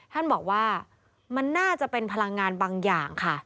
ท่านบอกว่ามันน่าจะเป็นพลังงานบางอย่างค่ะ